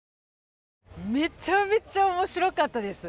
めちゃめちゃ面白かったです。